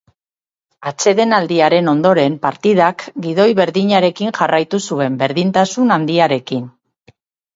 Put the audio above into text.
Atsedenaldiaren ondoren, partidak gidoi berdinarekin jarraitu zuen, berdintasun handiarekin.